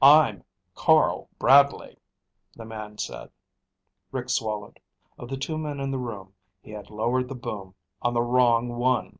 "I'm Carl Bradley," the man said. Rick swallowed. Of the two men in the room, he had lowered the boom on the wrong one!